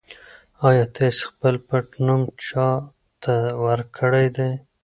ایا تاسي خپل پټنوم چا ته ورکړی دی؟